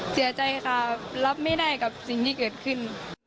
เสียใจค่ะรับไม่ได้กับสิ่งที่เกิดขึ้น